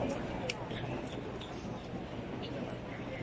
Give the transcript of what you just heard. สวัสดีครับ